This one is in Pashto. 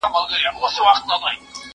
زه به کتابتون ته تللی وي!